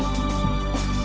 hạnh phúc mầm đ tricky